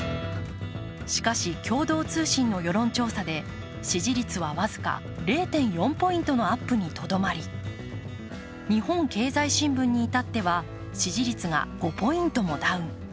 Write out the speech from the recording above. しかし共同通信の世論調査で支持率は僅か０．４ポイントのアップにとどまり「日本経済新聞」に至っては支持率が５ポイントもダウン。